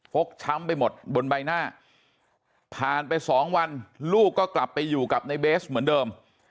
กช้ำไปหมดบนใบหน้าผ่านไปสองวันลูกก็กลับไปอยู่กับในเบสเหมือนเดิม